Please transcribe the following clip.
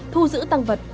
thu giữ tăng vật